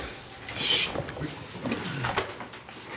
よし。